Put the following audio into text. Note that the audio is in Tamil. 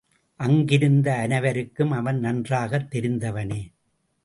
அங்கிருந்த அனைவருக்கும் அவன் நன்றாகத் தெரிந்தவனே.